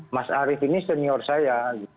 mas arief ini senior saya